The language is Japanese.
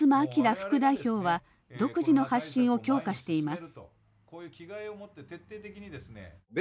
副代表は独自の発信を強化しています。